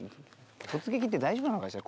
突撃って大丈夫なのかしら